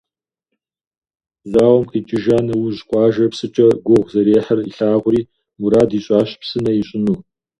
Зауэм къикӏыжа нэужь, къуажэр псыкӏэ гугъу зэрехьыр илъагъури, мурад ищӏащ псынэ ищӏыну.